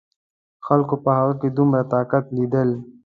خلکو په هغه کې دومره طاقت لیدل.